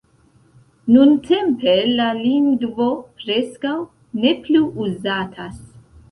Nuntempe la lingvo preskaŭ ne plu uzatas.